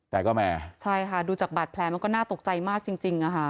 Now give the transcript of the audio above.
แต่ก็แม่ใช่ค่ะดูจากบัตรแพลนมันก็น่าตกใจมากจริง